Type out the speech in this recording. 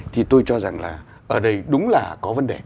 thì tôi cho rằng là ở đây đúng là có vấn đề